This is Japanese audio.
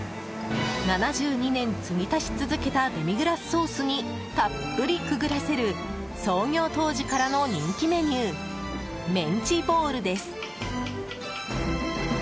７２年継ぎ足し続けたデミグラスソースにたっぷりくぐらせる創業当時からの人気メニューメンチボールです。